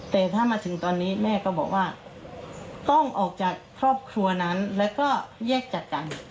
แต่ถ้ามาถึงตอนนี้แม่ก็บอกว่าต้องออกจากครอบครัวนั้นแล้วก็แยกจากกัน